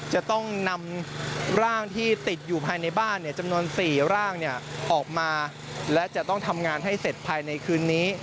ให้เสร็จภายในคืนนี้